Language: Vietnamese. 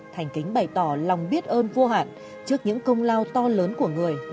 thành kính bày tỏ lòng biết ơn vô hạn trước những công lao to lớn của người